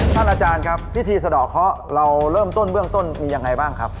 อาจารย์ครับพิธีสะดอกเคาะเราเริ่มต้นเบื้องต้นมียังไงบ้างครับ